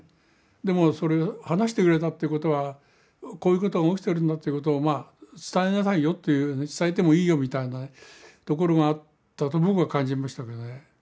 でもそれ話してくれたってことはこういうことが起きてるんだということを伝えなさいよという伝えてもいいよみたいなところがあったと僕は感じましたけどね。